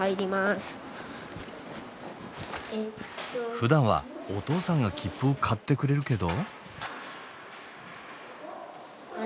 ふだんはお父さんが切符を買ってくれるけど。